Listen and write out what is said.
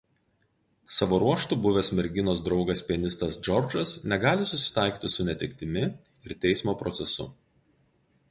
Savo ruožtu buvęs merginos draugas pianistas Džordžas negali susitaikyti su netektimi ir teismo procesu.